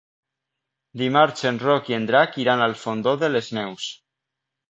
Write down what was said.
Dimarts en Roc i en Drac iran al Fondó de les Neus.